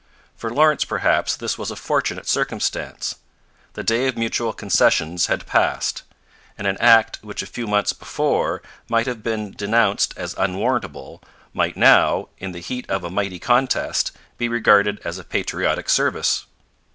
For Lawrence, perhaps, this was a fortunate circumstance. The day of mutual concessions had passed; and an act which a few months before might have been denounced as unwarrantable might now, in the heat of a mighty contest, be regarded as a patriotic service.